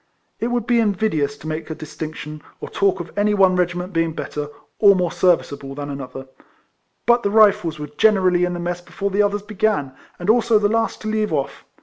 It would be invidious to make a distinction, or talk of RIFLEMAN HARRIS. 129 any one regiment being better, or more ser viceable, than another; but the Rifles were generally in the mess before the others be gan, and also the last to leave off.